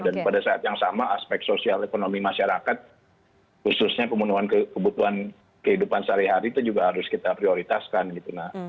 dan pada saat yang sama aspek sosial ekonomi masyarakat khususnya kebutuhan kehidupan sehari hari itu juga harus kita prioritaskan